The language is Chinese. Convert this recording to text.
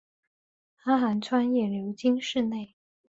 阿寒川也流经市内。